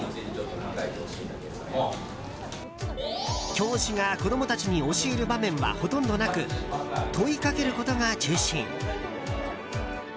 教師が子供たちに教える場面はほとんどなく問いかけることが中心。